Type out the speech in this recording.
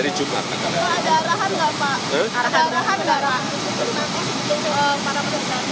arahan arahan nggak pak